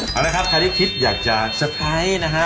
เอาละครับใครที่คิดอยากจะเตอร์ไพรส์นะฮะ